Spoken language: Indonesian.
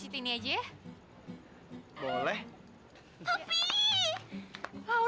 akhirnya bisa ketemu